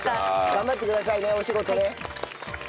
頑張ってくださいねお仕事ね。